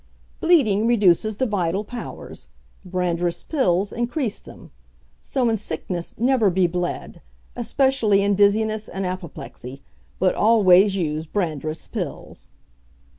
"Bleeding reduces the vital powers; Brandreth's Pills increase them. So in sickness never be bled, especially in Dizziness and Apoplexy, but always use Brandreth's Pills.